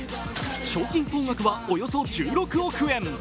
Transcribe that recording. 賞金総額はおよそ１６億円。